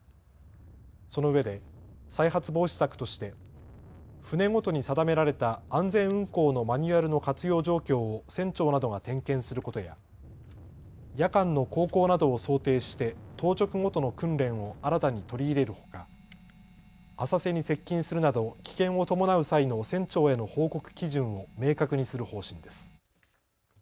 そのうえで再発防止策として船ごとに定められた安全運航のマニュアルの活用状況を船長などが点検することや夜間の航行などを想定して当直ごとの訓練を新たに取り入れるほか浅瀬に接近するなど危険を伴う際の船長への報告基準を明確にする方針です。